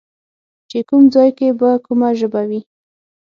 چې کوم ځای کې به کومه ژبه وي